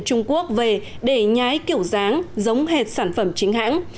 trung quốc về để nhái kiểu dáng giống hệt sản phẩm chính hãng